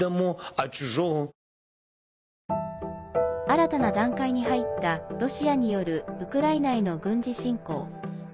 新たな段階に入ったロシアによるウクライナへの軍事侵攻。